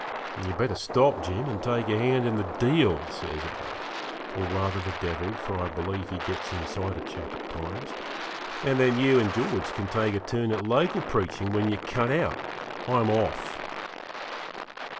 'You'd better stop, Jim, and take a hand in the deal,' says I (or, rather, the devil, for I believe he gets inside a chap at times), 'and then you and George can take a turn at local preaching when you're cut out. I'm off.'